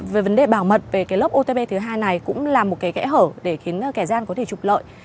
về vấn đề bảo mật về lớp otp thứ hai này cũng là một kẽ hở để khiến kẻ gian có thể chụp lợi